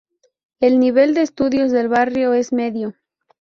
El nivel de estudios del barrio es medio.